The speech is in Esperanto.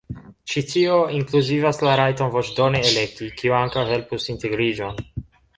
Ĉi tio inkluzivas la rajton voĉdone elekti, kiu ankaŭ helpus integriĝon.